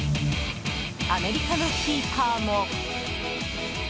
アメリカのキーパーも。